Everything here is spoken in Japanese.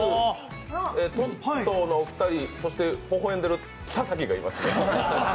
トットのお二人、ほほえんでる田崎がいますね。